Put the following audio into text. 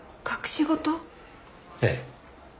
ええ。